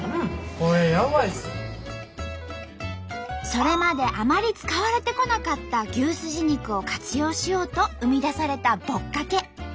それまであまり使われてこなかった牛すじ肉を活用しようと生み出されたぼっかけ。